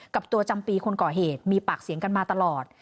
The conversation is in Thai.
กับตัวจำปีคนก่อเหตุมีปากเสียงกันมาตลอด